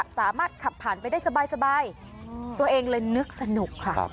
สามารถขับผ่านไปได้สบายตัวเองเลยนึกสนุกค่ะ